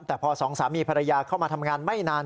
แต่พอสองสามีภรรยาเข้ามาทำงานไม่นาน